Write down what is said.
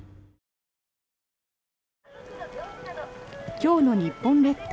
今日の日本列島。